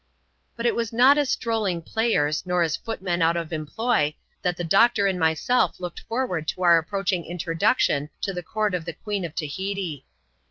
But it was not as strolling players, nor as footmen out of employ, that the doctor and myself looked forward to our ap proaching introduction to the court of the Queen of Tahiti.